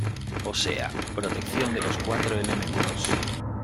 O sea, protección de los cuatro elementos.